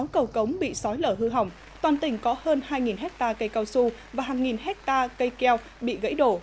sáu cầu cống bị sói lở hư hỏng toàn tỉnh có hơn hai hectare cây cao su và hàng nghìn hectare cây keo bị gãy đổ